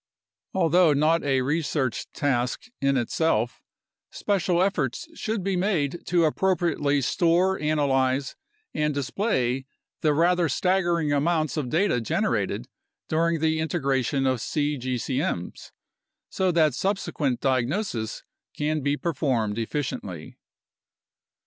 Although not a research task in itself, special efforts should be made to appropriately store, analyze, and display the rather staggering amounts of data generated during the integration of cgcm's, so that subsequent diagnosis can be performed efficiently.